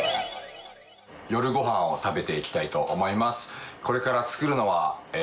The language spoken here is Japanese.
夜ごはんを食べていきたいと思います。